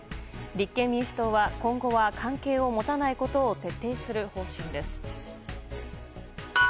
立憲民主党は今後は関係を持たないことを徹底する方針です。